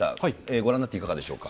ご覧になっていかがでしょうか。